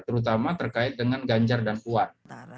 terutama terkait dengan ganjar dan puan